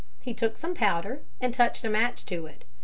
He took some powder and touched a match to it.